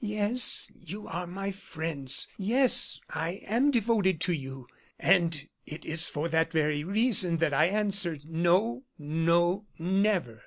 Yes, you are my friends; yes, I am devoted to you and it is for that very reason that I answer: no, no, never!"